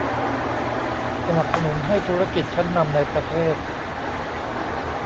สนับสนุนให้ธุรกิจชั้นนำในประเทศ